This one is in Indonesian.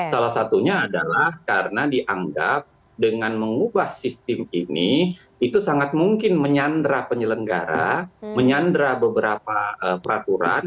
salah satunya adalah karena dianggap dengan mengubah sistem ini itu sangat mungkin menyandra penyelenggara menyandra beberapa peraturan